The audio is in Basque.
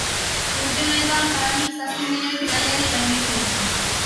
Urte honetan jadanik zazpi milioi bidaiari gainditu dira.